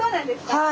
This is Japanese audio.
はい。